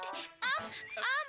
pihilnya itu datang